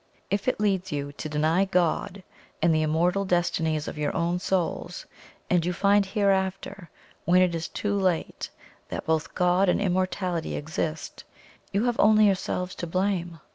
If it leads you to deny God and the immortal destinies of your own souls, and you find hereafter, when it is too late, that both God and immortality exist, you have only yourselves to blame.